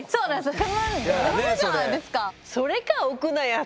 踏むじゃないですか。